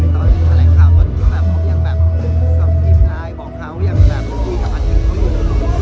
ตอนนี้แผลของเขาก็ยังแบบยังแบบยินไลน์บอกเขาอย่างแบบพูดดีกว่าอันนี้ก็ยินดีกว่านี้